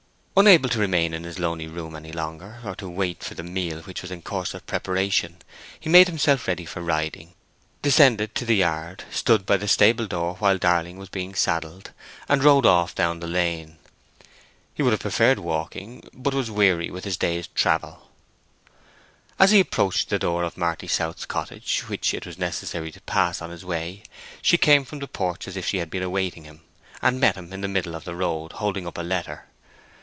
Unable to remain in this lonely room any longer, or to wait for the meal which was in course of preparation, he made himself ready for riding, descended to the yard, stood by the stable door while Darling was being saddled, and rode off down the lane. He would have preferred walking, but was weary with his day's travel. As he approached the door of Marty South's cottage, which it was necessary to pass on his way, she came from the porch as if she had been awaiting him, and met him in the middle of the road, holding up a letter.